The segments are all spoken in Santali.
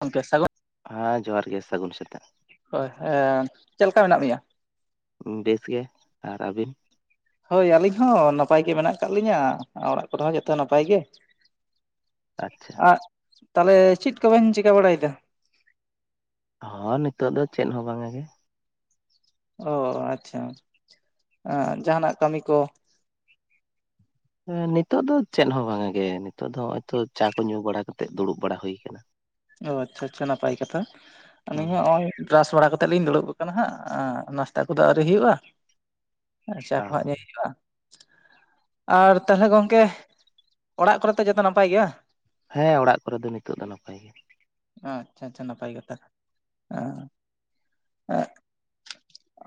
ᱜᱚᱝᱠᱮ ᱦᱮᱸ ᱡᱚᱦᱟᱨ ᱜᱮ ᱥᱟᱹᱜᱩᱱ ᱥᱮᱛᱟᱜ ᱦᱳᱭ ᱦᱮᱸ ᱪᱮᱫ ᱞᱮᱠᱟ ᱢᱮᱱᱟᱜ ᱢᱮᱭᱟ ᱵᱮᱥ ᱜᱮ ᱟᱨ ᱟᱹᱵᱤᱱ? ᱦᱳᱭ ᱟᱹᱞᱤᱧ ᱦᱚᱸ ᱱᱟᱯᱟᱭ ᱜᱮ ᱢᱮᱱᱟᱜ ᱟᱠᱟᱫ ᱞᱤᱧᱟᱹ ᱚᱲᱟᱜ ᱠᱚᱨᱮ ᱦᱚᱸ ᱡᱚᱛᱚ ᱱᱟᱯᱟᱭ ᱜᱮ ᱟᱪᱪᱷᱟ ᱟᱨ ᱛᱟᱦᱞᱮ ᱪᱮᱫ ᱠᱚᱵᱤᱱ ᱪᱤᱠᱟᱹ ᱵᱟᱲᱟᱭᱮᱫᱟ ᱦᱚ ᱱᱤᱛᱚᱜ ᱫᱚ ᱪᱮᱫ ᱦᱚᱸ ᱵᱟᱝᱜᱮ ᱚ ᱟᱪᱪᱷᱟ ᱮᱸᱡᱟᱦᱟᱱᱟᱜ ᱠᱟᱹᱢᱤ ᱠᱚ ᱦᱮᱸ ᱱᱤᱛᱚᱜ ᱫᱚ ᱪᱮᱫ ᱦᱚᱸ ᱵᱟᱸᱜᱟ ᱜᱮ ᱱᱤᱛᱚᱜ ᱫᱚ ᱱᱚᱭᱚᱭ ᱛᱟ ᱪᱟ ᱠᱚ ᱧᱩ ᱵᱟᱲᱟ ᱠᱟᱛᱮᱜ ᱫᱩᱲᱩᱵ ᱵᱟᱲᱟ ᱦᱩᱭ ᱠᱟᱱᱟ [unintelligible] ᱚ ᱟᱪᱪᱷᱟ ᱟᱪᱪᱷᱟ ᱱᱟᱯᱟᱭ ᱠᱟᱛᱷᱟ ᱟᱹᱞᱤᱧ ᱦᱚᱸ ᱱᱚᱜ ᱚᱭ ᱵᱨᱟᱥ ᱵᱟᱲᱟ ᱠᱟᱛᱮᱜ ᱞᱤᱧ ᱫᱩᱲᱩᱵ ᱠᱟᱱᱟ ᱦᱟᱸᱜ ᱱᱟᱥᱛᱟ ᱠᱚᱫᱚ ᱟᱹᱣᱨᱤ ᱦᱩᱭᱩᱜᱼᱟ ᱟᱨ ᱪᱟ ᱠᱚ ᱦᱟᱜ ᱧᱩᱭ ᱦᱩᱭᱩᱜᱼᱟ ᱟᱨ ᱛᱟᱦᱚᱞᱮ ᱜᱚᱝᱠᱮ ᱚᱲᱟᱜ ᱠᱚᱨᱮ ᱛᱚ ᱡᱚᱛᱚ ᱱᱟᱯᱟᱭ ᱜᱮᱭᱟ ᱦᱮᱸ ᱚᱲᱟᱜ ᱠᱚᱨᱮ ᱫᱚ ᱱᱤᱛᱚᱜ ᱫᱚ ᱱᱟᱯᱟᱭ ᱜᱮᱭᱟ ᱟᱪᱪᱷᱟ ᱟᱪᱪᱷᱟ ᱱᱟᱯᱟᱭ ᱠᱟᱛᱷᱟ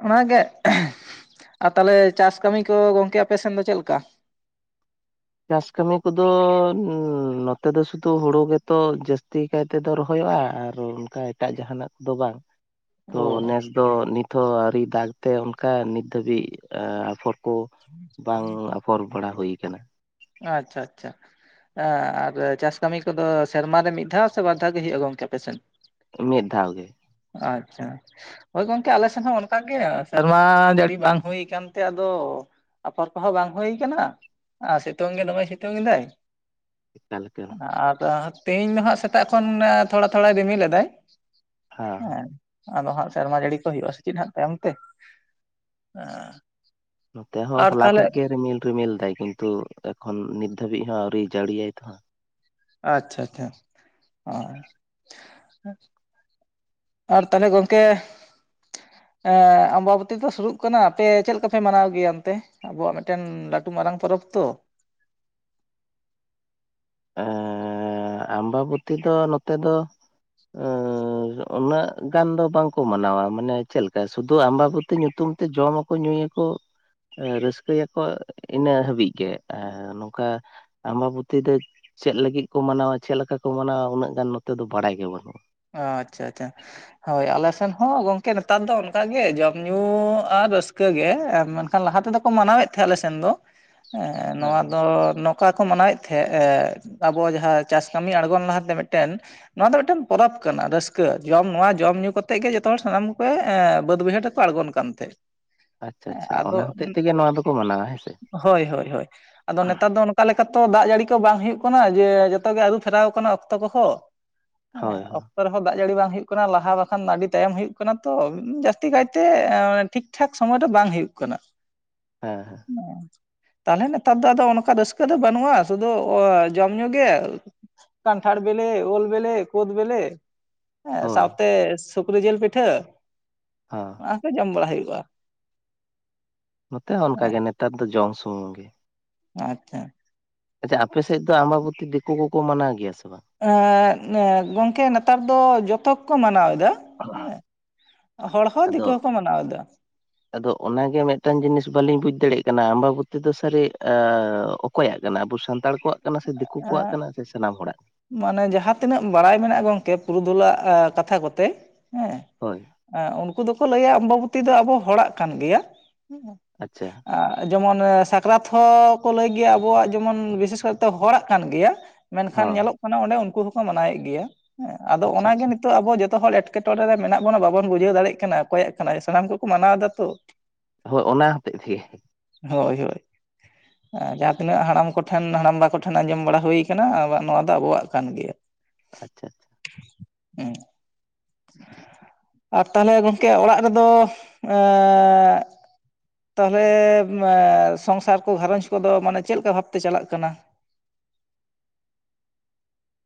ᱚᱱᱟᱜᱮ ᱟᱨ ᱛᱟᱦᱞᱮ ᱪᱟᱥ ᱠᱟᱹᱢᱤ ᱠᱚ ᱜᱚᱝᱠᱮ ᱟᱯᱮ ᱥᱮᱱ ᱫᱚ ᱪᱮᱫᱞᱮᱠᱟ ᱪᱟᱥ ᱠᱟᱹᱢᱤ ᱠᱚᱫᱚ ᱱᱚᱛᱮ ᱫᱚ ᱥᱩᱫᱩ ᱦᱩᱲᱩ ᱜᱮᱛᱚ ᱡᱟᱹᱥᱛᱤ [inaudible] ᱛᱮᱫᱚ ᱨᱚᱦᱚᱭᱚᱜᱼᱟ ᱟᱨ ᱚᱱᱠᱟ ᱮᱴᱟᱜ ᱡᱟᱦᱟᱱᱟᱜ ᱠᱚᱫᱚ ᱵᱟᱝ ᱛᱚ ᱚ ᱱᱮᱥ ᱫᱚ ᱱᱤᱛ ᱦᱚᱸ ᱟᱹᱨᱤ ᱫᱟᱜᱽ ᱛᱮ ᱚᱱᱠᱟ ᱱᱤᱛ ᱫᱷᱟᱹᱵᱤᱡ ᱟᱯᱷᱚᱨ ᱠᱚ ᱵᱟᱝ ᱟᱯᱷᱚᱨ ᱵᱟᱲᱟ ᱦᱩᱭ ᱟᱠᱟᱱᱟ ᱟᱪᱪᱷᱟ ᱟᱪᱪᱷᱟ ᱦᱮᱸ ᱟᱨ ᱪᱟᱥ ᱠᱟᱹᱢᱤ ᱠᱚᱫᱚ ᱥᱮᱨᱢᱟᱨ ᱨᱮ ᱢᱤᱫ ᱫᱷᱟᱣ ᱥᱮ ᱵᱟᱨ ᱫᱷᱟᱣ ᱜᱮ ᱦᱩᱭᱩᱜᱼᱟ ᱜᱚᱝᱠᱮ ᱟᱯᱮᱥᱮᱱ ᱫᱚ ᱢᱤᱫ ᱫᱷᱟᱣ ᱜᱮ ᱟᱪᱪᱷᱟ ᱦᱳᱭ ᱜᱚᱝᱠᱮ ᱟᱞᱮ ᱥᱮᱱ ᱦᱚᱸ ᱚᱱᱠᱟᱜᱮ ᱥᱮᱨᱢᱟ ᱡᱟᱹᱲᱤ ᱵᱟᱝ ᱦᱩᱭ ᱠᱟᱱ ᱛᱮ ᱟᱫᱚ ᱟᱯᱷᱚᱨ ᱠᱚᱦᱚᱸ ᱵᱟᱝ ᱦᱩᱭ ᱠᱟᱱᱟ ᱟᱨ ᱥᱤᱛᱩᱝ ᱜᱮ ᱫᱚᱢᱮ ᱥᱤᱛᱩᱝ ᱮᱫᱟᱭ ᱮᱠᱟᱞ ᱮᱠᱟᱞ ᱟᱨ ᱛᱮᱦᱤᱧ ᱫᱚ ᱦᱟᱸᱜ ᱥᱮᱛᱟᱜ ᱠᱷᱚᱱ ᱛᱷᱚᱲᱟ ᱛᱷᱚᱲᱟᱭ ᱨᱤᱢᱤᱞ ᱞᱮᱫᱟᱭ ᱦᱮᱸ ᱟᱫᱚ ᱦᱟᱸᱜ ᱥᱮᱨᱢᱟ ᱡᱟᱹᱲᱤ ᱠᱚ ᱦᱩᱭᱩᱜᱼᱟ ᱥᱮ ᱪᱮᱫ ᱦᱟᱸᱜ ᱛᱟᱭᱚᱢ ᱛᱮ ᱱᱚᱛᱮ ᱦᱚᱸ ᱟᱨ ᱦᱚᱞᱟ ᱛᱟᱦᱚᱞᱮ ᱠᱷᱚᱡ ᱜᱮ ᱨᱤᱢᱤᱞ ᱨᱤᱢᱤᱞ ᱫᱟᱭ ᱠᱤᱱᱛᱩ ᱮᱠᱷᱚᱱ ᱱᱤᱛ ᱫᱷᱟᱹᱵᱤᱡ ᱦᱚᱸ ᱟᱹᱣᱨᱤ ᱡᱟᱹᱲᱤᱭᱟᱭ ᱛᱚ᱾ ᱟᱪᱪᱷᱟ ᱟᱪᱪᱷᱟ ᱚ ᱟᱨ ᱛᱟᱦᱞᱮ ᱜᱚᱝᱠᱮ ᱮᱸ ᱟᱢᱵᱟᱵᱛᱤ ᱫᱚ ᱥᱩᱨᱩᱜ ᱠᱟᱱᱟ ᱟᱯᱮ ᱪᱮᱫ ᱞᱮᱠᱟᱯᱮ ᱢᱟᱱᱟᱣ ᱜᱮᱭᱟ ᱚᱱᱛᱮ? ᱟᱵᱚᱣᱟᱜ ᱢᱤᱫᱴᱮᱱ ᱞᱟᱹᱴᱩ ᱢᱟᱨᱟᱝ ᱯᱚᱨᱚᱵᱽ ᱛᱚ᱾ ᱮᱻ ᱟᱢᱵᱟᱵᱚᱛᱤ ᱫᱚ ᱱᱚᱛᱮ ᱫᱚ ᱟᱸ ᱩᱱᱟᱹᱜ ᱜᱟᱱ ᱫᱚ ᱵᱟᱝᱠᱚ ᱢᱟᱱᱟᱣᱟ ᱢᱟᱱᱮ ᱪᱮᱜ ᱞᱮᱠᱟ ᱥᱩᱫᱷᱩ ᱟᱢᱵᱟᱵᱚᱛᱤ ᱧᱩᱛᱩᱢ ᱛᱮ ᱡᱚᱢᱟᱠᱚ ᱧᱩᱭᱟᱠᱚ ᱮ ᱨᱟᱹᱥᱠᱟᱹᱭᱟᱠᱚ ᱤᱱᱟᱹ ᱦᱟᱹᱵᱤᱡ ᱜᱮ ᱱᱚᱝᱠᱟ ᱟᱢᱵᱟᱵᱚᱛᱤ ᱫᱚ ᱪᱮᱜ ᱞᱟᱹᱜᱤᱫ ᱠᱚ ᱢᱟᱱᱟᱣᱟ ᱪᱮᱜ ᱞᱮᱠᱟ ᱠᱚ ᱢᱟᱱᱟᱣᱟ ᱩᱱᱟᱹᱜ ᱜᱟᱱ ᱱᱚᱛᱮ ᱫᱚ ᱵᱟᱲᱟᱭ ᱜᱮ ᱵᱟᱹᱱᱩᱜᱼᱟ᱾ ᱚ ᱟᱪᱪᱷᱟ ᱟᱪᱪᱷᱟ ᱦᱳᱭ ᱟᱞᱮ ᱥᱮᱱ ᱦᱚᱸ ᱜᱚᱝᱠᱮ ᱱᱮᱛᱟᱨ ᱫᱚ ᱚᱱᱠᱟᱜ ᱜᱮ ᱡᱚᱢ ᱧᱩ ᱟᱨ ᱨᱟᱹᱥᱠᱟᱹᱜ ᱜᱮ ᱛᱟᱨ ᱞᱟᱦᱟ ᱛᱮᱫᱚ ᱠᱚ ᱢᱟᱱᱟᱣᱮᱫ ᱛᱟᱦᱮᱸᱫ ᱟᱞᱮᱥᱮᱱ ᱫᱚ [inaudible] ᱦᱮᱸ ᱱᱚᱣᱟ ᱫᱚ ᱱᱚᱠ ᱠᱟ ᱠᱚ ᱢᱟᱱᱟᱣᱮᱜ ᱛᱟᱦᱮᱸᱜ ᱮ ᱟᱵᱚ ᱡᱟᱦᱟᱸ ᱪᱟᱥ ᱠᱟᱹᱢᱤ ᱟᱬᱜᱚᱱ ᱞᱟᱦᱟᱛᱮ ᱢᱤᱫᱴᱮᱱ ᱱᱚᱣᱟ ᱫᱚ ᱢᱤᱫᱴᱮᱱ ᱯᱚᱨᱚᱵᱽ ᱠᱟᱱᱟ ᱨᱟᱹᱥᱠᱟᱹ ᱡᱚᱢ ᱱᱚᱣᱟ ᱡᱚᱢ ᱧᱩ ᱠᱟᱛᱮᱜ ᱜᱮ ᱡᱚᱛᱚ ᱦᱚᱲ ᱥᱟᱱᱟᱢ ᱠᱚ ᱵᱟᱹᱫᱽ ᱵᱟᱹᱭᱦᱟᱹᱲ ᱨᱮᱠᱚ ᱟᱬᱜᱚᱱ ᱠᱟᱱ ᱛᱟᱦᱮᱸᱫ᱾ ᱟᱪᱪᱷᱟ ᱟᱪᱪᱷᱟ ᱚᱱᱟ ᱟᱫᱚ ᱦᱚᱛᱮᱡ ᱛᱮᱜᱮ ᱱᱚᱣᱟ ᱫᱚᱠᱚ ᱢᱟᱱᱟᱣᱟ ᱦᱮᱸᱥᱮ ᱦᱳᱭ ᱦᱳᱭ ᱦᱳᱭ ᱟᱫᱚ ᱱᱮᱛᱟᱨ ᱫᱚ ᱚᱠᱟ ᱞᱮᱠᱟᱛᱚ ᱫᱟᱜ ᱡᱟᱹᱲᱤ ᱠᱚ ᱵᱟᱝ ᱦᱩᱭᱩᱜ ᱠᱟᱱᱟ ᱡᱮ ᱡᱚᱛᱚ ᱜᱮ ᱟᱹᱨᱩ ᱯᱷᱮᱨᱟᱣ ᱟᱠᱟᱱᱟ ᱚᱠᱛᱚ ᱠᱚᱦᱚᱸ᱾ ᱮᱸ ᱦᱳᱭ ᱦᱳᱭ ᱚᱠ ᱨᱮᱦᱚᱸ ᱫᱟᱜ ᱡᱟᱹᱲᱤ ᱵᱟᱝ ᱦᱩᱭᱩᱜ ᱠᱟᱱᱟ ᱞᱟᱦᱟ ᱵᱟᱠᱷᱟᱱ ᱱᱟᱹᱰᱤ ᱛᱟᱭᱚᱢ ᱦᱩᱭᱩᱜ ᱠᱟᱱᱟ ᱛᱚ, ᱡᱟᱹᱥᱛᱤ ᱠᱟᱭᱛᱮ ᱴᱷᱤᱠ ᱴᱷᱟᱠ ᱥᱚᱢᱚᱭ ᱫᱚ ᱵᱟᱝ ᱦᱩᱭᱩᱜ ᱠᱟᱱᱟ᱾ ᱦᱮᱸ ᱦᱮᱸ ᱛᱟᱞᱦᱮ ᱱᱮᱛᱟᱨ ᱫᱚ ᱟᱫᱚ ᱚᱱᱠᱟ ᱨᱟᱹᱥᱠᱟᱹ ᱫᱚ ᱵᱟᱹᱱᱩᱜᱼᱟ ᱥᱩᱫᱩ ᱡᱚᱢ ᱧᱩ ᱜᱮ᱾ ᱠᱟᱱᱴᱷᱟᱲ ᱵᱮᱞᱮ ᱩᱞ ᱵᱮᱞᱮ ᱠᱩᱫ ᱵᱮᱞᱮ ᱦᱮᱸ ᱦᱳᱭ ᱥᱟᱶᱛᱮ ᱥᱩᱠᱨᱤ ᱡᱤᱞ ᱯᱤᱴᱷᱟᱹ ᱦᱟᱸ ᱚᱱᱟ ᱠᱚ ᱡᱚᱢ ᱵᱟᱲᱟ ᱦᱩᱭᱩᱜᱼᱟ᱾ ᱱᱚᱛᱮ ᱦᱚᱸ ᱚᱱᱠᱟᱜ ᱜᱮ ᱦᱮᱸ ᱱᱮᱛᱟᱨ ᱫᱚ ᱡᱚᱢ ᱥᱩᱢᱩᱝ ᱜᱮ᱾ ᱟᱪᱪᱷᱟ ᱟᱪᱪᱷᱟ ᱟᱯᱮᱥᱮᱡ ᱫᱚ ᱟᱢᱵᱟᱵᱚᱛᱤ ᱫᱤᱠᱩ ᱠᱚᱠᱚ ᱢᱟᱱᱟᱣ ᱜᱮᱭᱟ ᱥᱮ ᱵᱟᱝ? ᱮᱸ ᱮᱸ ᱜᱚᱝᱠᱮ ᱱᱮᱛᱟᱨ ᱫᱚ ᱡᱚᱛᱚᱠᱚ ᱢᱟᱱᱟᱣ ᱮᱫᱟ᱾ ᱦᱮᱸ ᱦᱚᱲ ᱦᱚᱸ ᱟᱫᱚ ᱫᱤᱠᱩ ᱦᱚᱸᱠᱚ ᱢᱟᱱᱟᱣᱫᱟ᱾ ᱟᱫᱚ ᱚᱱᱟᱜᱮ ᱢᱤᱫᱴᱟᱱ ᱡᱤᱱᱤᱥ ᱵᱟᱹᱞᱤᱧ ᱵᱩᱡ ᱫᱟᱲᱮᱜ ᱠᱟᱱᱟ ᱟᱢᱵᱟᱵᱚᱛᱤ ᱫᱚ ᱥᱟᱹᱨᱤ ᱚᱠ ᱠᱚᱭᱟᱜ ᱠᱟᱱᱟ ᱟᱵᱚ ᱥᱟᱱᱛᱟᱲ ᱠᱚᱣᱟᱜ ᱠᱟᱱᱟ ᱥᱮ ᱫᱤᱠᱩ ᱠᱚᱣᱟᱜ ᱮᱸ ᱠᱟᱱᱟ ᱥᱮ ᱥᱟᱱᱟᱢ ᱦᱚᱲᱟᱜ? ᱢᱟᱱᱮ ᱡᱟᱦᱟᱸ ᱛᱤᱱᱟᱹᱜ ᱵᱟᱲᱟᱭ ᱢᱮᱱᱟᱜᱼᱟ ᱜᱚᱝᱠᱮ ᱯᱩᱨᱩᱫᱷᱩᱞᱟᱜ ᱠᱟᱛᱷᱟ ᱠᱚᱛᱮ, ᱦᱮᱸ ᱦᱳᱭ ᱮᱸ ᱩᱱᱠᱩ ᱫᱚᱠᱚ ᱞᱟᱹᱭᱟ ᱟᱢᱵᱟᱵᱚᱛᱤ ᱫᱚ ᱟᱵᱚ ᱦᱚᱲᱟᱜ ᱠᱟᱱ ᱜᱮᱭᱟ᱾ ᱟᱪᱪᱷᱟ ᱟ ᱡᱮᱢᱚᱱ ᱥᱟᱠᱨᱟᱛ ᱦᱚᱸ ᱠᱚ ᱞᱟᱹᱭ ᱜᱮᱭᱟ ᱟᱵᱚᱣᱟᱜ ᱡᱮᱢᱚᱱ ᱵᱤᱥᱮᱥ ᱠᱟᱨᱛᱮ ᱦᱚᱲᱟᱜ ᱠᱟᱱ ᱜᱮᱭᱟ᱾ ᱢᱮᱱᱠᱷᱟᱱ ᱦᱚᱸ ᱧᱮᱞᱚᱜ ᱠᱟᱱᱟ ᱚᱸᱰᱮ ᱩᱱᱠᱩ ᱦᱚᱸᱠᱚ ᱢᱟᱱᱟᱣᱭᱮᱜ ᱜᱮᱭᱟ, ᱦᱮᱸ ᱟᱫᱚ ᱟᱪᱪᱷᱟ ᱚᱱᱟᱜᱮ ᱟᱪᱪᱷᱟ ᱱᱤ ᱛᱚᱜ ᱟᱵᱚ ᱡᱚᱛᱚ ᱦᱚᱲ ᱮᱴᱠᱮᱴᱚᱬᱮ ᱨᱮ ᱢᱮᱱᱟᱜ ᱵᱚᱱᱟ ᱵᱟᱵᱚᱱ ᱵᱩᱡᱷᱟᱹᱣ ᱫᱟᱲᱮᱜ ᱠᱟᱱᱟ ᱠᱚᱠᱚᱭᱟᱜ ᱠᱟᱱᱟᱭ ᱥᱟᱱᱟᱢ ᱠᱚᱠᱚ ᱢᱟᱱᱟᱣᱫᱟ ᱛᱚ᱾ ᱦᱳ ᱚᱱᱟ ᱦᱚᱛᱮᱡ ᱛᱮ ᱦᱳᱭ ᱦᱳᱭ ᱡᱟᱦᱟᱸ ᱛᱤᱱᱟᱹᱜ ᱦᱟᱲᱟᱢ ᱠᱚᱴᱷᱮᱱ ᱦᱟᱲᱟᱢ ᱵᱟ ᱠᱚ ᱴᱷᱮᱱ ᱟᱸᱡᱚᱢ ᱵᱟᱲᱟ ᱦᱩᱭ ᱠᱟᱱᱟ ᱟᱣᱟᱜ ᱱᱚᱣᱟ ᱫᱚ ᱟᱵᱚᱣᱟᱜ ᱠᱟᱱ ᱜᱮᱭᱟ᱾ ᱟᱪᱪᱷᱟ ᱟᱪᱪᱷᱟ ᱦᱮᱸ ᱟᱨ ᱛᱟᱦᱞᱮ ᱜᱚᱝᱠᱮ ᱚᱲᱟᱜ ᱨᱮᱫᱚ ᱮᱸᱜᱻ ᱛᱟᱦᱞᱮ ᱢᱮ ᱥᱚᱝᱥᱟᱨ ᱠᱚ ᱜᱷᱟᱨᱚᱸᱧᱡᱽ ᱠᱚᱫᱚ ᱢᱟᱱᱮ ᱪᱮᱜ ᱞᱮᱠᱟ ᱵᱷᱟᱵᱛᱮ ᱪᱟᱞᱟᱜ ᱠᱟᱱᱟ?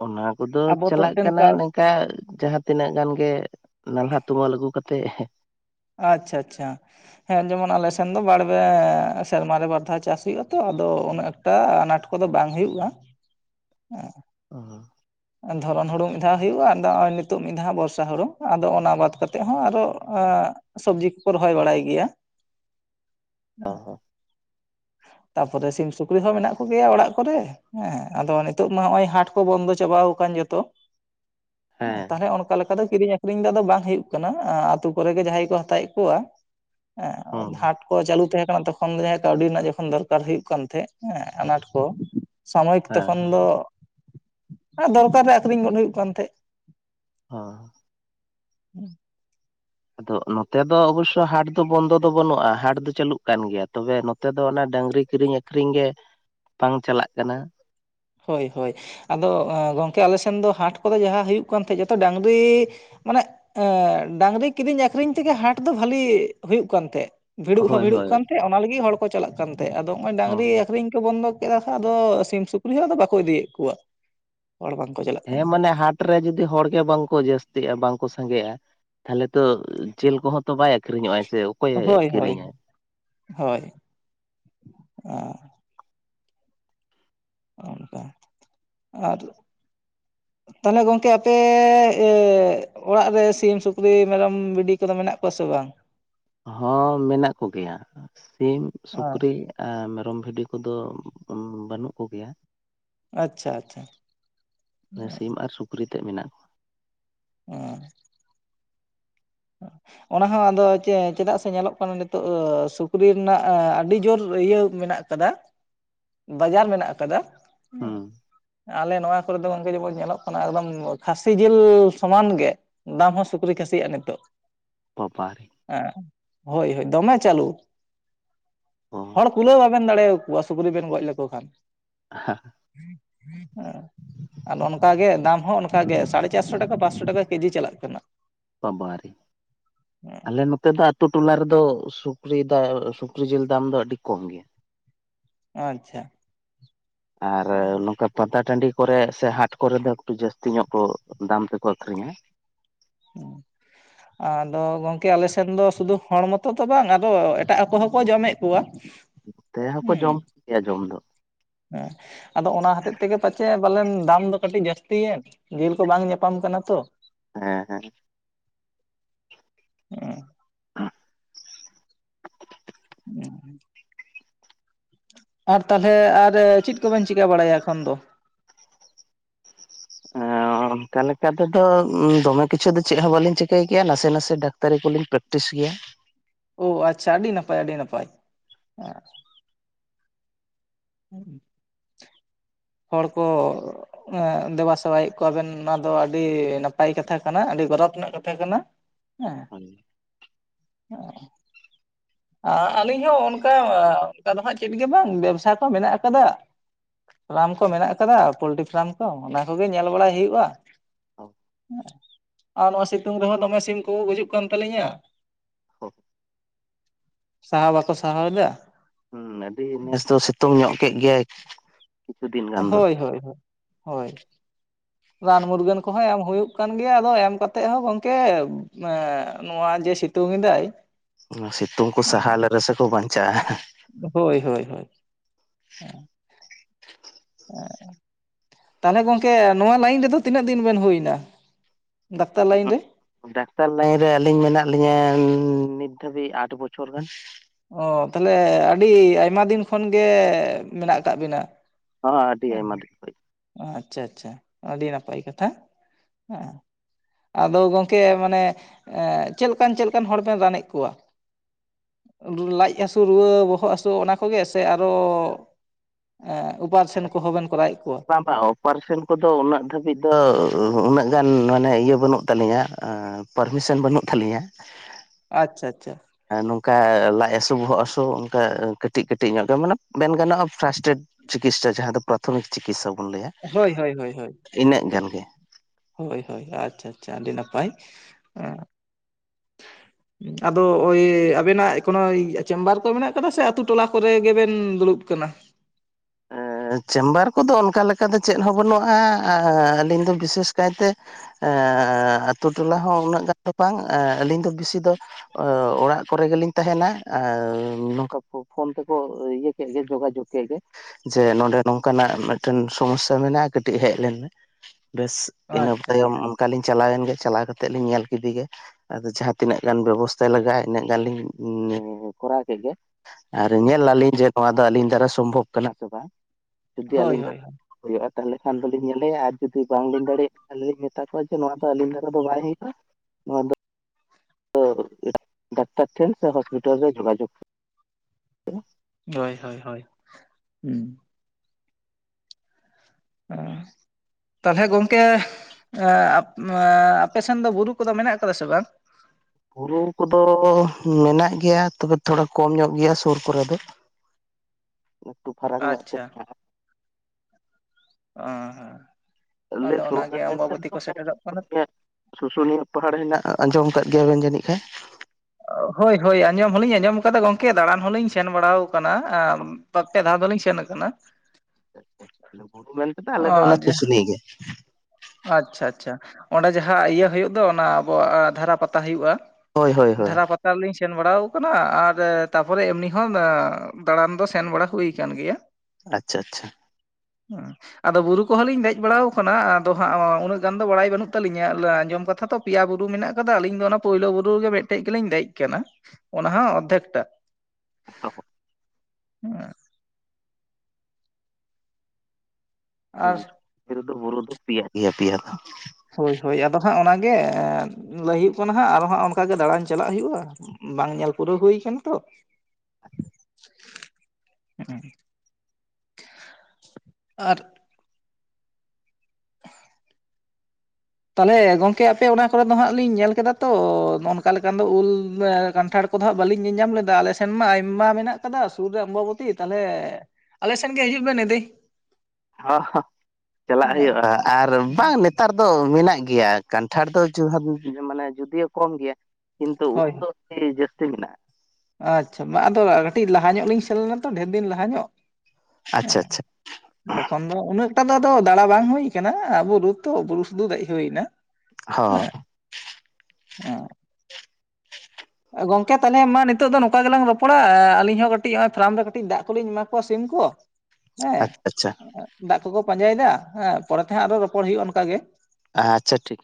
ᱚᱱᱟ ᱠᱚᱫᱚ ᱟᱵᱚ ᱛᱚ ᱪᱟᱞᱟᱜ ᱢᱤᱫᱴᱮᱱ ᱠᱟᱱᱟ ᱠᱟ ᱱᱮᱝ ᱡᱟᱦᱟᱸ ᱛᱤᱱᱟᱹᱜ ᱜᱟᱱ ᱜᱮ ᱱᱟᱞᱦᱟ ᱛᱩᱢᱟᱹᱞ ᱟᱹᱜᱩ ᱠᱟᱛᱮ ᱟᱪᱪᱷᱟ ᱟᱪᱪᱷᱟ, ᱦᱮᱸ ᱡᱮᱢᱚᱱ ᱟᱞᱮᱥᱮᱱ ᱫᱚ ᱵᱟᱨ [inaudible] ᱥᱮᱨᱢᱟᱨᱮ ᱵᱟᱨ ᱫᱷᱟᱣ ᱪᱟᱥ ᱦᱩᱭᱩᱜ-ᱟ ᱛᱚ ᱟᱫᱚ ᱩᱱᱟᱹᱜ ᱛᱚ ᱟᱱᱟᱴ ᱠᱚᱫᱚ ᱵᱟᱝ ᱦᱩᱭᱩᱜ-ᱟ ᱾ ᱦᱮᱸ [unintelligible] ᱫᱷᱚᱨᱚᱱ ᱦᱩᱲᱩ ᱢᱤᱫ ᱫᱷᱟᱣ ᱦᱩᱭᱩᱜ-ᱟ ᱟᱫᱚ ᱱᱚᱜ-ᱚᱭ ᱱᱤᱛᱚᱜ ᱢᱤᱫ ᱫᱷᱟᱣ ᱵᱚᱨᱥᱟ ᱦᱩᱲᱩ ᱟᱫᱚ ᱚᱱᱟ ᱵᱟᱫ ᱠᱟᱛᱮᱫ ᱦᱚᱸ ᱚ ᱥᱚᱵᱽᱡᱤ ᱠᱚᱠᱚ ᱨᱚᱦᱚᱭ ᱵᱟᱲᱟᱭ ᱜᱮᱭᱟ? [unintelligible] ᱛᱟᱯᱚᱨᱮ ᱥᱤᱢ ᱥᱩᱠᱨᱤ ᱦᱚᱸ ᱢᱮᱱᱟᱜ ᱠᱚᱜᱮᱭᱟ ᱚᱲᱟᱜ ᱠᱚᱨᱮ ᱦᱮᱸ ᱟᱫᱚ ᱱᱤᱛᱚᱜ ᱢᱟ ᱱᱚᱜᱼᱚᱭ ᱦᱟᱴ ᱠᱚ ᱵᱚᱱᱫᱚ ᱪᱟᱵᱟᱟᱣ ᱠᱟᱱ ᱡᱚᱛᱚ, ᱦᱮᱸ ᱛᱟᱦᱞᱮ ᱚᱱ ᱠᱟ ᱞᱮᱠᱟ ᱫᱚ ᱠᱤᱨᱤᱧ ᱟᱹᱠᱷᱨᱤᱧ ᱫᱚ ᱟᱫᱚ ᱵᱟᱝ ᱦᱩᱭᱩᱜ ᱠᱟᱱᱟ ᱟᱛᱩ ᱠᱚᱨᱮ ᱜᱮ ᱡᱟᱦᱟᱸᱭ ᱠᱚ ᱦᱟᱛᱟᱣᱮᱜ ᱠᱚᱣᱟ᱾ ᱮᱸ ᱦᱟᱴ ᱠᱚ ᱪᱟᱹᱞᱩ ᱛᱟᱦᱮᱸ ᱠᱟᱱᱟ ᱛᱚᱠᱷᱚᱱ ᱫᱚᱦᱟᱜ ᱠᱟᱹᱣᱰᱤ ᱨᱮᱱᱟᱜ ᱠᱷᱚᱱ ᱫᱚᱨᱠᱟᱨ ᱦᱩᱭᱩᱜ ᱠᱟᱱ ᱛᱟᱦᱮᱸᱫ ᱦᱮᱸ ᱟᱱᱟᱴ ᱠᱚ ᱥᱟᱢᱚᱭᱤᱠ ᱦᱮᱸ ᱛᱚᱠᱷᱚᱱ ᱫᱚ ᱟᱨ ᱫᱚᱨᱠᱟᱨ ᱨᱮ ᱟᱠᱷᱨᱤᱧ ᱜᱚᱫ ᱦᱩᱭᱩᱜ ᱠᱟᱱ ᱛᱟᱦᱮᱸᱜ ᱦᱚ ᱟᱫᱚᱜ ᱱᱚᱛᱮ ᱫᱚ ᱚᱵᱚᱥᱥᱚᱭ ᱦᱟᱴ ᱫᱚ ᱵᱚᱱᱫᱚ ᱫᱚ ᱵᱟᱹᱱᱩᱜ-ᱟ, ᱦᱟᱴ ᱫᱚ ᱪᱟᱹᱞᱩᱜ ᱠᱟᱱ ᱜᱮᱭᱟ, ᱛᱚᱵᱮ ᱱᱮᱛᱟᱨ ᱫᱚ ᱚᱱᱟ ᱰᱟᱹᱝᱨᱤ ᱠᱤᱨᱤᱧ ᱟᱠᱷᱨᱤᱧ ᱜᱮ ᱵᱟᱝ ᱪᱟᱞᱟᱜ ᱠᱟᱱᱟ ᱾ ᱦᱚᱭ ᱦᱚᱭ ᱟᱫᱚ ᱜᱚᱝᱠᱮ ᱟᱞᱮ ᱥᱮᱱ ᱫᱚ ᱦᱟᱴ ᱠᱚᱫᱚ ᱡᱟᱦᱟᱸ ᱦᱩᱭᱩᱜ ᱠᱟᱱ ᱛᱟᱦᱮᱸᱡ ᱡᱚᱛᱚ ᱰᱟᱝᱨᱤ ᱢᱟᱱᱮᱜ ᱮ ᱰᱟᱝᱨᱤ ᱠᱤᱨᱤᱧ ᱟᱠᱷᱨᱤᱧ ᱛᱮᱜᱮ ᱦᱟᱴ ᱫᱚ ᱵᱷᱟᱞᱤ ᱦᱩᱭᱩᱜ ᱠᱟᱱ ᱛᱮᱜ, ᱵᱷᱤᱲᱩᱜ ᱦᱚᱸ ᱦᱳᱭ ᱵᱷᱤᱲᱩᱜ ᱦᱳᱭ ᱠᱟᱱ ᱛᱮ ᱚᱱᱟ ᱞᱟᱹᱜᱤᱫ ᱦᱚᱲ ᱠᱚ ᱪᱟᱞᱟᱜ ᱠᱟᱱᱛᱮ ᱟᱫᱚ ᱱᱚᱜ ᱚᱭ ᱦᱚᱸ ᱰᱟᱝᱨᱤ ᱠᱤᱨᱤᱧ ᱠᱚ ᱵᱚᱱᱫᱚ ᱠᱮᱫᱟ ᱟᱫᱚ ᱥᱤᱢ ᱥᱩᱠᱨᱤ ᱦᱚᱸ ᱟᱫᱚ ᱵᱟᱠᱚ ᱤᱫᱤᱭᱮᱫ ᱠᱚᱣᱟ ᱦᱚᱲ ᱵᱟᱝᱠᱚ ᱪᱟᱞᱟᱜ ᱦᱮᱸ ᱠᱟᱱᱟ ᱢᱟᱱᱮ ᱦᱟᱴ ᱨᱮ ᱡᱩᱫᱤ ᱦᱚᱲ ᱜᱮ ᱵᱟᱝᱠᱚ ᱡᱟᱹᱥᱛᱤᱜ-ᱟ ᱵᱟᱝᱠᱚ ᱥᱟᱸᱜᱮᱜ-ᱟ ᱛᱟᱦᱟᱞᱮ ᱛᱚ ᱡᱮᱞ ᱠᱚᱦᱚᱸ ᱛᱚ ᱵᱟᱭ ᱟᱠᱷᱨᱤᱧᱚᱜᱟᱭ ᱥᱮ ᱚᱠᱚᱭᱮ ᱦᱳᱭ ᱦᱳᱭ ᱠᱤᱨᱤᱧᱟ ᱦᱳᱭ ᱚᱱᱠᱟ ᱟᱨ ᱛᱟᱞᱦᱮ ᱜᱚᱝᱠᱮ ᱟᱯᱮ ᱟᱹᱜ ᱚᱲᱟᱜ ᱨᱮ ᱥᱤᱢ, ᱥᱩᱠᱨᱤ, ᱢᱮᱨᱚᱢ, ᱵᱷᱤᱰᱤ, ᱠᱚᱫᱚ ᱢᱮᱱᱟᱜ ᱠᱚᱣᱟ ᱥᱮ ᱵᱟᱝ? ᱦᱚᱸ ᱢᱮᱱᱟᱜ ᱠᱚᱜᱮᱭᱟ ᱥᱤᱢ ᱥᱩᱠᱨᱤ ᱢᱮᱨᱚᱢ ᱵᱷᱤᱰᱤ ᱠᱚᱫᱚ ᱵᱟᱹᱱᱩᱜ ᱠᱚᱜᱮᱭᱟ ᱟᱪᱪᱷᱟ ᱟᱪᱪᱷᱟ ᱥᱤᱢ ᱟᱨ ᱥᱩᱠᱨᱤ ᱛᱮᱜ ᱢᱮᱱᱟᱜ ᱠᱚᱣᱟ ᱚᱸ [unintelligible] ᱚᱱᱟ ᱦᱚᱸ ᱟᱫᱚ ᱪᱮ ᱪᱮᱫᱟᱜ ᱥᱮ ᱧᱮᱞᱚᱜ ᱠᱟᱱᱟ ᱱᱤᱛᱚᱜ ᱥᱩᱠᱨᱤ ᱨᱮᱱᱟᱜ ᱟᱹᱰᱤ ᱡᱳᱨ ᱤᱭᱟᱹ ᱢᱮᱱᱟᱜ ᱠᱟᱫᱟ [inaudible] ᱵᱟᱡᱟᱨ ᱢᱮᱱᱟᱜ ᱟᱠᱟᱫᱟ, ᱦᱮ ᱦᱩᱸ ᱟᱞᱮ ᱱᱚᱣᱟ ᱠᱚᱨᱮ ᱫᱚ ᱜᱚᱝᱠᱮ ᱡᱮᱢᱚᱱ ᱧᱮᱞᱚᱜ ᱠᱟᱱᱟ, ᱮᱠᱫᱚᱢ ᱠᱷᱟᱹᱥᱤ ᱡᱤᱞ ᱥᱚᱢᱟᱱ ᱜᱮ ᱫᱟᱢ ᱦᱚᱸ ᱥᱩᱠᱨᱤ ᱠᱷᱟᱹᱥᱤᱜᱟᱜ ᱱᱤᱛᱚᱜ ᱵᱟᱵᱟ ᱨᱮ ᱮ ᱦᱳᱭ ᱦᱳᱭ ᱫᱚᱢᱮ ᱪᱟᱹᱞᱩ ᱚ ᱦᱚᱲ ᱠᱩᱞᱟᱹᱣ ᱵᱟᱵᱮᱱ ᱫᱟᱲᱮ ᱠᱩᱣᱟ ᱥᱩᱠᱨᱤ ᱵᱮᱱ ᱜᱚᱡ ᱞᱮᱠᱚ ᱠᱷᱟᱱ [inaudible] ᱟᱨ ᱱᱚᱜᱼᱚ ᱱᱚᱝᱠᱟᱜᱮ ᱫᱟᱢ ᱦᱚᱸ ᱚᱱᱠᱟᱜᱮ ᱥᱟᱲᱮ ᱪᱟᱨᱥᱚ ᱴᱟᱠᱟ ᱯᱟᱸᱥᱥᱚ ᱴᱟᱠᱟ ᱠᱤᱡᱤ ᱪᱟᱞᱟᱜ ᱠᱟᱱᱟ ᱾ ᱵᱟᱵᱟᱨᱤ ᱟᱞᱮ ᱱᱚᱛᱮ ᱫᱚ ᱟᱹᱛᱩ ᱴᱚᱞᱟ ᱨᱮᱫᱚ ᱥᱩᱠᱨᱤ ᱫᱟ ᱥᱩᱠᱨᱤ ᱡᱤᱞ ᱫᱟᱢ ᱫᱚ ᱟᱹᱰᱤ ᱠᱚᱢ ᱜᱮᱭᱟ ᱟᱪᱪᱷᱟ ᱟᱨ ᱱᱚᱝᱠᱟ ᱯᱟᱛᱟ ᱴᱟᱺᱰᱤ ᱠᱚᱨᱮᱜ ᱥᱮ ᱦᱟᱴ ᱠᱚᱨᱮ ᱫᱚ ᱠᱟᱴᱤ ᱡᱟᱹᱥᱛᱤ ᱧᱚᱜ ᱠᱚ ᱫᱟᱢ ᱛᱮᱠᱚ ᱟᱠᱷᱨᱤᱧᱟ ᱟ ᱫᱚ ᱜᱚᱝᱠᱮ ᱟᱞᱮ ᱥᱮᱱ ᱫᱚ ᱥᱩᱫᱩ ᱦᱚᱲᱢᱚᱛᱚ ᱛᱚ ᱵᱟᱝ ᱟᱫᱚ ᱮᱴᱟᱜ ᱟᱛᱩ ᱦᱚᱸᱠᱚ ᱡᱚᱢᱮᱫ ᱠᱚᱣᱟ [inaudible] ᱱᱚᱛᱮ ᱦᱚᱸᱠᱚ ᱦᱩᱸ ᱡᱚᱢᱮᱫ ᱜᱮᱭᱟ ᱡᱚᱢ ᱫᱚ᱾ ᱦᱮᱸ ᱟᱫᱚ ᱚᱱᱟ ᱦᱚᱛᱮᱫ ᱛᱮ ᱜᱮ ᱯᱟᱪᱮᱫ ᱵᱟᱞᱮᱱ ᱫᱟᱢ ᱫᱚ ᱠᱟᱹᱴᱤᱡ ᱡᱟᱹᱥᱛᱤᱭᱮᱱ᱾ ᱡᱤᱞ ᱠᱚ ᱵᱟᱝ ᱧᱟᱯᱟᱢ ᱠᱟᱱᱟ ᱛᱚ᱾ ᱦᱮᱸ ᱦᱮᱸ ᱦᱩᱸ ᱦᱮ ᱟᱨ ᱛᱟᱦᱚᱞᱮ ᱟᱨ ᱪᱮᱫ ᱠᱚᱵᱮᱱ ᱪᱤᱠᱟᱹ ᱵᱟᱲᱟᱭᱟ ᱮᱠᱷᱚᱱ ᱫᱚ? ᱦᱮᱸᱻ ᱚᱱᱠᱟ ᱞᱮᱠᱟ ᱛᱮᱫᱚ ᱫᱚᱢᱮ ᱠᱤᱪᱷᱩ ᱫᱚ ᱪᱮᱫ ᱦᱚᱸ ᱵᱟᱹᱞᱤᱧ ᱪᱤᱠᱟᱹᱭ ᱜᱮᱭᱟ, ᱱᱟᱥᱮ ᱱᱟᱥᱮ ᱰᱟᱠᱛᱟᱨᱤ ᱠᱚᱞᱤᱧ ᱯᱨᱮᱠᱴᱤᱥ ᱜᱮᱭᱟ, ᱚ ᱟᱪᱪᱷᱟ ᱟᱹᱰᱤ ᱱᱟᱯᱟᱭ ᱟᱹᱰᱤ ᱱᱟᱯᱟᱭ ᱮ [unintelligible] ᱦᱚᱲ ᱠᱚ ᱮᱸᱜ ᱫᱮᱵᱟ ᱥᱮᱵᱟᱭᱮᱫ ᱠᱚᱣᱟᱵᱮᱱ ᱚᱱᱟ ᱫᱚ ᱟᱹᱰᱤ ᱱᱟᱯᱟᱭ ᱠᱟᱛᱷᱟ ᱠᱟᱱᱟ, ᱟᱹᱰᱤ ᱜᱚᱨᱚᱵᱽ ᱨᱮᱱᱟᱜ ᱠᱟᱛᱷᱟ ᱠᱟᱱᱟ, ᱦᱮᱸ ᱟᱹᱞᱤᱧ ᱦᱚᱸ ᱚᱱᱠᱟ ᱚᱱᱠᱟ ᱫᱚ ᱦᱟᱸᱜ ᱪᱮᱫ ᱜᱮ ᱵᱟᱝ ᱵᱮᱵᱽᱥᱟ ᱠᱚ ᱢᱮᱱᱟᱜ ᱟᱠᱟᱫᱟ᱾ ᱯᱷᱟᱨᱟᱢ ᱠᱚ ᱢᱮᱱᱟᱜ ᱟᱠᱟᱫᱟ ᱯᱚᱞᱴᱤ ᱯᱷᱟᱨᱟᱢ ᱠᱚ ᱚᱱᱟ ᱠᱚᱜᱮ ᱧᱮᱞ ᱵᱟᱲᱟᱭ ᱦᱩᱭᱩᱜᱼᱟ᱾ ᱟᱨ ᱱᱚᱣᱟ ᱥᱤᱛᱩᱝ ᱨᱮᱦᱚᱸ ᱫᱚᱢᱮ ᱥᱤᱢ ᱠᱚ ᱠᱚ ᱜᱩᱡᱩᱜ ᱠᱟᱱ ᱛᱟᱹᱟᱞᱤᱧᱟ᱾ ᱥᱟᱦᱟᱣ ᱵᱟᱠᱚ ᱥᱟᱦᱟᱣ ᱮᱫᱟ᱾ ᱟᱹᱰᱤ ᱱᱮᱥ ᱫᱚ ᱥᱤᱛᱩᱝ ᱧᱚᱜ ᱠᱮᱫ ᱜᱮᱭᱟᱭ᱾ ᱠᱤᱪᱷᱩ ᱫᱤᱱ ᱜᱟᱱ ᱫᱚ ᱦᱳᱭ ᱦᱳᱭ ᱦᱳᱭ ᱦᱳᱭ [inaudible] ᱨᱟᱱ ᱢᱩᱨᱜᱟᱹᱱ ᱠᱚᱦᱚᱸ ᱮᱢ ᱦᱩᱭᱩᱜ ᱠᱟᱱ ᱜᱮᱭᱟ ᱟᱫᱚ ᱮᱢ ᱠᱟᱛᱮᱜ ᱦᱚᱸ ᱜᱚᱝᱠᱮ ᱱᱚᱣᱟ ᱡᱮ ᱥᱤᱛᱩ ᱛᱩᱧ ᱮᱫᱟᱭ ᱥᱤᱛᱩᱝ ᱠᱚ ᱥᱟᱦᱟᱶ ᱞᱮ ᱨᱮ ᱥᱮ ᱠᱚ ᱵᱟᱧᱪᱟᱜᱼᱟ᱾ ᱦᱳᱭ ᱦᱳᱭ ᱦᱳᱭ ᱛᱟᱦᱚᱞᱮ ᱜᱚᱝᱠᱮ ᱱᱚᱣᱟ ᱞᱟᱭᱤᱱ ᱨᱮᱫᱚ ᱛᱤᱱᱟᱹᱜ ᱫᱤᱱ ᱵᱮᱱ ᱦᱩᱭ ᱮᱱᱟ? ᱰᱟᱠᱛᱟᱨ ᱞᱟᱹᱭᱤᱱ ᱨᱮ? ᱰᱟᱠᱛᱟᱨ ᱞᱟᱭᱤᱱ ᱨᱮ ᱟᱹᱞᱤᱧ ᱢᱮᱱᱟᱜ ᱞᱤᱧᱟᱹ ᱱᱤᱛ ᱫᱷᱟᱹᱵᱤᱡ ᱟᱴ ᱵᱚᱪᱷᱚᱨ ᱜᱟᱱ ᱚ ᱛᱟᱦᱚᱞᱮ ᱟᱹᱰᱤ ᱟᱭᱢᱟ ᱫᱤᱱ ᱠᱷᱚᱱ ᱜᱮ ᱢᱮᱱᱟᱜ ᱟᱠᱟᱜ ᱵᱤᱱᱟ ᱦᱚᱸ ᱟᱰᱤᱜᱮ ᱟᱭᱢᱟ ᱟᱪᱪᱷᱟ ᱟᱪᱪᱷᱟ ᱟᱹᱰᱤ ᱱᱟᱯᱟᱭ ᱠᱟᱛᱷᱟ ᱦᱮᱸ ᱟᱫᱚ ᱜᱚᱢᱠᱮ ᱢᱟᱱᱮ ᱪᱮᱫ ᱞᱮᱠᱟᱱ ᱪᱮᱫ ᱞᱮᱠᱟᱱ ᱦᱚᱲ ᱵᱮᱱ ᱨᱟᱱ ᱮᱫ ᱠᱚᱣᱟ? ᱞᱟᱡ ᱦᱟᱹᱥᱩ ᱨᱩᱣᱟᱹ ᱵᱚᱦᱚᱜ ᱦᱟᱹᱥᱩ ᱚᱱᱟ ᱠᱚᱜᱮ ᱥᱮ ᱟᱨᱚ ᱩᱯᱟᱨᱥᱮᱱ ᱠᱚᱦᱚᱸ ᱵᱮᱱ ᱠᱚᱨᱟᱣᱮᱫ ᱠᱚᱣᱟ ᱚᱯᱟᱨᱥᱮᱱ ᱠᱚᱫᱚ ᱩᱱᱟᱹᱜ ᱫᱷᱟᱹᱵᱤᱡ ᱫᱚ ᱩᱱᱟᱹᱜ ᱜᱟᱱ ᱢᱟᱱᱮ ᱤᱭᱟᱹ ᱵᱟᱹᱱᱩᱜ ᱛᱟᱹᱞᱤᱧᱟ ᱯᱟᱨᱢᱤᱥᱮᱱ ᱵᱟᱹᱱᱩᱜ ᱛᱟᱹᱞᱤᱧᱟ ᱟᱪᱪᱷᱟ ᱟᱪᱪᱷᱟ ᱱᱚᱝᱠᱟ ᱞᱟᱡ ᱦᱥᱩ ᱵᱚᱦᱚᱜ ᱦᱟᱹᱥᱩ ᱝᱠᱟ ᱠᱟᱹᱴᱤᱡ ᱠᱟᱹᱴᱤᱡ ᱧᱚᱜ ᱜᱮ ᱢᱟᱱᱮ ᱢᱮᱱ ᱜᱟᱱᱚᱜᱼᱟ ᱯᱷᱟᱥᱴᱮᱰ ᱪᱤᱠᱤᱛᱥᱟ ᱡᱟᱦᱟᱸ ᱫᱚ ᱯᱨᱟᱛᱷᱚᱢᱤᱠ ᱪᱤᱠᱤᱛᱥᱟ ᱵᱚᱱ ᱞᱟᱹᱭᱟ ᱦᱳᱭ ᱦᱳᱭ ᱦᱳᱭ ᱦᱳᱭ ᱤᱱᱟᱹᱜ ᱜᱟᱱ ᱜᱮ ᱦᱳᱭ ᱦᱳᱭ ᱟᱪᱪᱷᱟ ᱟᱪᱪᱷᱟ ᱟᱹᱰᱤ ᱱᱟᱯᱟᱭ [inaudible] ᱟᱫᱚ ᱳᱭ ᱟᱵᱮᱱᱟᱜ ᱠᱳᱱᱳ ᱪᱮᱢᱵᱟᱨ ᱠᱚ ᱢᱮᱱᱟᱜ ᱟᱠᱟᱫᱟ ᱥᱮ ᱟᱹᱛᱩ ᱴᱚᱞᱟ ᱠᱚᱨᱮ ᱜᱮᱵᱮᱱ ᱫᱩᱲᱩᱵ ᱠᱟᱱᱟ? ᱪᱮᱢᱵᱟᱨ ᱠᱚᱫᱚ ᱚᱱᱠᱟ ᱞᱮᱠᱟ ᱫᱚ ᱪᱮᱫ ᱦᱚᱸ ᱵᱟᱹᱱᱩᱜᱼᱟ ᱟᱹᱞᱤᱧ ᱫᱚ ᱵᱤᱥᱮᱥ ᱠᱟᱭᱛᱮ ᱟᱛᱳ ᱴᱚᱞᱟ ᱦᱚᱸ ᱩᱱᱟᱹᱜ ᱜᱟᱱ ᱫᱚ ᱵᱟᱝ ᱟᱹᱞᱤᱧ ᱫᱚ ᱵᱮᱥᱤ ᱫᱚ ᱚᱲᱟᱜ ᱠᱚᱨᱮ ᱜᱮᱞᱤᱧ ᱛᱟᱦᱮᱱᱟ ᱱᱚᱝᱠᱟ ᱯᱷᱳᱱ ᱛᱮᱠᱚ ᱤᱭᱟᱹ ᱠᱮᱫ ᱜᱮ ᱡᱳᱜᱟᱡᱳᱜᱽ ᱠᱮᱫ ᱜᱮ ᱡᱮ ᱱᱚᱰᱮ ᱱᱚᱝᱠᱟᱱᱟᱜ ᱢᱤᱫᱴᱮᱱ ᱥᱚᱢᱚᱥᱥᱟ ᱢᱮᱱᱟᱜᱼᱟ ᱠᱟᱹᱴᱤᱡ ᱦᱮᱡ ᱞᱮᱱ ᱵᱮᱱ ᱵᱮᱥ ᱤᱱᱟᱹ ᱟᱪᱪᱷᱟ ᱛᱟᱭᱚᱢ ᱟᱪᱪᱷᱟ ᱚᱱᱠᱟᱤᱧ ᱪᱟᱞᱟᱣ ᱮᱱ ᱜᱮ ᱪᱟᱞᱟᱣ ᱠᱟᱛᱮᱜ ᱞᱤᱧ ᱧᱮᱞ ᱠᱮᱫᱮ ᱜᱮ ᱟᱫᱚ ᱡᱟᱦᱟᱸᱛᱤᱱᱟᱹᱜ ᱜᱟᱱ ᱵᱮᱵᱚᱥᱛᱷᱟᱭ ᱞᱟᱜᱟᱜᱼᱟ, ᱤᱱᱟᱹᱜ ᱜᱟᱱ ᱞᱤᱧ ᱠᱚᱨᱟᱣ ᱠᱮᱫ ᱜᱮ ᱟᱨ ᱧᱮᱞᱟᱞᱤᱧ ᱡᱮ ᱱᱚᱣᱟ ᱫᱚ ᱟᱹᱞᱤᱧ ᱫᱟᱨᱟ ᱥᱚᱢᱵᱷᱚᱵ ᱠᱟᱱᱟ ᱥᱮ ᱵᱟᱝ ᱡᱩᱫᱤ ᱦᱳᱭ ᱟᱹᱞᱤᱧ ᱫᱚ ᱦᱳᱭ ᱦᱩᱭᱩᱜᱼᱟ ᱛᱟᱦᱞᱮ ᱠᱷᱟᱱ ᱫᱚᱞᱤᱧ ᱧᱮᱞᱮᱭᱟ ᱟᱨ ᱡᱩᱫᱤ ᱵᱟᱝᱞᱤᱧ ᱫᱟᱲᱮᱭᱟᱜ ᱠᱷᱟᱱ ᱛᱟᱦᱞᱮᱤᱧ ᱢᱮᱛᱟ ᱠᱚᱣᱟ ᱱᱚᱣᱟ ᱫᱚ ᱟᱹᱞᱤᱧ ᱫᱟᱨᱟ ᱫᱚ ᱵᱟᱭ ᱦᱩᱭᱩᱜᱼᱟ ᱱᱚᱣᱟ ᱫᱚ [unintelligible] ᱰᱟᱠᱛᱟᱨ ᱴᱷᱮᱱ ᱥᱮ ᱦᱚᱥᱯᱤᱴᱟᱞ ᱨᱮ ᱡᱚᱜᱟᱡᱳᱜ ᱦᱮ ᱦᱳᱭ ᱦᱳᱭ ᱦᱳᱭ ᱦᱩᱸ ᱚ ᱛᱟᱞᱦᱮ ᱜᱚᱝᱠᱮ ᱟᱯᱮ ᱥᱮᱱ ᱫᱚ ᱵᱩᱨᱩ ᱠᱚᱫᱚ ᱢᱮᱱᱟᱜ ᱟᱠᱟᱫᱟ ᱥᱮ ᱵᱟᱝ? ᱵᱩᱨᱩ ᱠᱚᱫᱚ ᱢᱮᱱᱟᱜ ᱜᱮᱭᱟ᱾ ᱛᱚᱵᱮ ᱛᱷᱚᱲᱟ ᱠᱚᱢ ᱧᱚᱜ ᱜᱮᱭᱟ ᱥᱩᱨ ᱠᱚᱨᱮ ᱫᱚ᱾ ᱟᱴᱩ ᱯᱷᱟᱨᱟᱠ ᱧᱚᱜ ᱛᱮ ᱟᱪᱪᱷᱟ ᱦᱮᱱᱟᱜᱼᱟ ᱾ ᱚ ᱟᱫᱚ ᱚᱱᱟᱜᱮ ᱚᱢᱵᱟᱵᱚᱛᱤ ᱠᱚ ᱥᱮᱴᱮᱨᱚᱜ ᱠᱟᱱᱟ ᱛᱚ᱾ [unintelligible] ᱥᱩᱥᱩᱱᱤᱭᱟᱹ ᱯᱟᱦᱟᱲ ᱦᱮᱱᱟᱜᱼᱟ ᱟᱸᱡᱚᱢ ᱟᱠᱟᱫ ᱜᱮᱭᱟ ᱵᱮᱱ ᱡᱟᱹᱱᱤᱡ ᱠᱷᱟᱱ? ᱦᱳᱭ ᱦᱳᱭ ᱟᱸᱡᱚᱢ ᱦᱚᱞᱤᱧ ᱟᱸᱡᱚᱢ ᱟᱠᱟᱫᱟ ᱜᱚᱝᱠᱮ ᱫᱟᱬᱟᱱ ᱦᱚᱞᱤᱧ ᱥᱮᱱ ᱵᱟᱲᱟᱣ ᱟᱠᱟᱱᱟ᱾ ᱵᱟᱨ ᱯᱮ ᱫᱷᱟᱣ ᱫᱚᱞᱤᱧ ᱥᱮᱱ ᱟᱠᱟᱱᱟ᱾ ᱵᱩᱨᱩ ᱢᱮᱱᱛᱮᱫᱚ ᱟᱞᱮ ᱫᱚ ᱚᱱᱟ ᱥᱩᱥᱩᱱᱤᱭᱟᱹ ᱜᱮ᱾ ᱟᱪᱪᱷᱟ ᱟᱪᱪᱷᱟ ᱚᱸᱰᱮ ᱡᱟᱦᱟᱸ ᱤᱭᱟᱹ ᱦᱩᱭᱩᱜ ᱫᱚ ᱚᱱᱟ ᱟᱵᱚᱣᱟᱜ ᱫᱷᱟᱨᱟ ᱯᱟᱛᱟ ᱦᱩᱭᱩᱜᱼᱟ᱾ ᱦᱳᱭ ᱦᱳᱭ ᱦᱳᱭ᱾ ᱟᱨ ᱞᱤᱧ ᱥᱮᱱ ᱵᱟᱲᱟᱣ ᱟᱠᱟᱱᱟ ᱟᱨ ᱛᱟᱯᱚᱨᱮ ᱮᱢᱱᱤ ᱦᱚᱸ ᱫᱟᱬᱟᱱ ᱫᱚ ᱥᱮᱱ ᱵᱟᱲᱟ ᱦᱩᱭ ᱟᱠᱟᱱ ᱜᱮᱭᱟ᱾ ᱟᱪᱪᱷᱟ ᱟᱪᱪᱷᱟ᱾ ᱟᱸ ᱟᱫᱚ ᱵᱩᱨᱩ ᱠᱚᱦᱚᱸ ᱞᱤᱧ ᱫᱮᱡ ᱵᱟᱲᱟᱣ ᱠᱟᱱᱟ ᱟᱫᱚ ᱦᱟᱸᱜ ᱩᱱᱟᱹᱜ ᱜᱟᱱ ᱫᱚ ᱵᱟᱲᱟᱭ ᱵᱟᱹᱱᱩᱜ ᱛᱟᱹᱞᱤᱧᱟ᱾ ᱟᱸᱡᱚᱢ ᱠᱟᱛᱷᱟ ᱛᱚ᱾ ᱯᱮᱭᱟ ᱵᱩᱨᱩ ᱢᱮᱱᱟᱜ ᱟᱠᱟᱫᱟ᱾ ᱟᱞᱤᱧ ᱫᱚ ᱚᱱᱟ ᱯᱳᱭᱞᱳ ᱵᱩᱨᱩ ᱨᱮᱜᱮ ᱢᱤᱫ ᱴᱮᱡ ᱜᱮᱞᱤᱧ ᱫᱮᱡ ᱟᱠᱟᱱᱟ᱾ ᱚᱱᱟ ᱦᱚᱸ ᱚᱨᱫᱷᱮᱠ ᱴᱟ᱾ ᱚ [unintelligible] ᱟᱨ ᱵᱤᱨᱫᱚ ᱵᱩᱨᱩ ᱫᱚ ᱯᱮᱭᱟ ᱜᱮᱭᱟ ᱯᱮᱭᱟ ᱫᱚ᱾ ᱦᱳᱭ ᱦᱳᱭ ᱟᱫᱚ ᱦᱟᱸᱜ ᱚᱱᱟ ᱜᱮ ᱞᱟᱹᱭ ᱦᱩᱭᱩᱜ ᱠᱟᱱᱟ ᱦᱟᱸᱜ ᱟᱨᱚ ᱦᱟᱸᱜ ᱚᱱᱠᱟ ᱜᱮ ᱫᱟᱬᱟᱱ ᱪᱟᱞᱟᱜ ᱦᱩᱭᱩᱜᱼᱟ᱾ ᱵᱟᱝ ᱧᱮᱞ ᱯᱩᱨᱟᱹᱣ ᱦᱩᱭ ᱠᱟᱱᱟ ᱛᱚ᱾ ᱟᱪᱪᱷᱟ᱾ [unintelligible] ᱦᱮᱸ ᱟᱨ ᱛᱟᱞᱦᱮ ᱜᱚᱝᱠᱮ ᱟᱯᱮ ᱚᱱᱟ ᱠᱚᱨᱮ ᱫᱚ ᱦᱟᱸᱜ ᱞᱤᱧ ᱧᱮᱞ ᱠᱮᱫᱟ ᱛᱚ ᱱᱚᱜᱼᱚ ᱱᱚᱝᱠᱟ ᱞᱮᱠᱟᱱ ᱫᱚ ᱩᱞ ᱠᱟᱱᱴᱷᱟᱲ ᱠᱚᱫᱚ ᱦᱟᱜ ᱵᱟᱹᱞᱤᱧ ᱧᱮᱞᱧᱟᱢ ᱞᱮᱫᱟ ᱟᱞᱮ ᱥᱮᱱ ᱢᱟ ᱟᱭᱢᱟ ᱢᱮᱱᱟᱜ ᱠᱟᱫᱟ᱾ ᱥᱩᱨ ᱨᱮ ᱚᱢᱵᱟᱵᱚᱛᱤ ᱛᱟᱦᱚᱞᱮ ᱟᱞᱮᱥᱮᱱ ᱜᱮ ᱦᱤᱡᱩᱜ ᱵᱮᱱ ᱤᱫᱤ᱾ ᱦᱚ ᱦᱚ ᱪᱟᱞᱟᱜ ᱦᱮᱸ ᱦᱩᱭᱩᱜᱼᱟ ᱟᱨ ᱵᱟᱝ ᱱᱤᱛ ᱱᱮᱛᱟᱨ ᱫᱚ ᱢᱮᱱᱟᱜ ᱜᱮᱭᱟ᱾ ᱠᱟᱱᱴᱷᱟᱲ ᱫᱚ ᱢᱟᱱᱮ ᱡᱩᱫᱤᱭᱳ ᱠᱚᱢ ᱜᱮᱭᱟ᱾ ᱠᱤᱱᱛᱩ ᱩᱞ ᱦᱳᱭ ᱫᱚ ᱟᱹᱰᱤ ᱡᱟᱹᱥᱛᱤ ᱢᱮᱱᱟᱜᱼᱟ᱾ ᱟᱪᱪᱷᱟ ᱢᱟ ᱟᱫᱚ ᱠᱟᱹᱴᱤᱡ ᱞᱟᱦᱟ ᱧᱚᱜ ᱞᱤᱧ ᱥᱮᱱ ᱞᱮᱱᱟ ᱛᱚ ᱰᱷᱮᱨ ᱫᱤᱱ ᱞᱟᱦᱟ ᱧᱚᱜ᱾ ᱟᱪᱪᱷᱟ ᱟᱪᱪᱷᱟ [inaudible] ᱛᱚᱠᱷᱚᱱ ᱫᱚ ᱩᱱᱟᱹᱜᱴᱟ ᱫᱚ ᱟᱫᱚ ᱫᱟᱲᱟ ᱵᱟᱝ ᱦᱩᱭ ᱟᱠᱟᱱᱟ ᱟ ᱵᱩᱨᱩ ᱛᱚ ᱵᱩᱨᱩ ᱥᱩᱫᱷᱩ ᱫᱮᱡ ᱦᱩᱭ ᱮᱱᱟ᱾ ᱦᱚᱸ ᱮᱸᱜ ᱚᱸ ᱜᱚᱝᱠᱮ ᱛᱟᱦᱚᱞᱮ ᱢᱟ ᱱᱤᱛᱚᱜ ᱫᱚ ᱱᱚᱝᱠᱟ ᱜᱮᱞᱟᱝ ᱨᱚᱯᱚᱲᱟ᱾ ᱟᱹᱞᱤᱧ ᱦᱚᱸ ᱠᱟᱹᱴᱤᱡ ᱚᱭ ᱯᱷᱨᱟᱢ ᱨᱮ ᱠᱟᱹᱴᱤᱡ ᱫᱟᱜ ᱠᱚᱞᱤᱧ ᱮᱢᱟ ᱠᱚᱣᱟ᱾ ᱯᱚᱥᱤᱢ ᱠᱚ᱾ ᱟᱪᱪᱷᱟ ᱟᱪᱪᱷᱟ ᱦᱮᱸ ᱫᱟᱜ ᱠᱚᱠᱚ ᱯᱟᱸᱡᱟᱭᱮᱫᱟ ᱦᱮᱸ ᱯᱚᱨᱮ ᱛᱮᱦᱟᱸᱜ ᱟᱫᱚ ᱨᱚᱯᱚᱲ ᱦᱩᱭᱩᱜᱼᱟ ᱚᱱᱠᱟ ᱜᱮ᱾ ᱟᱪᱪᱷᱟ ᱴᱷᱤᱠ ᱜᱮᱭᱟ᱾